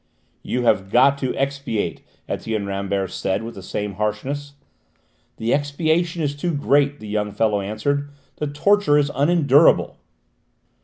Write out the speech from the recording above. "You have got to expiate," Etienne Rambert said with the same harshness. "The expiation is too great," the young fellow answered. "The torture is unendurable."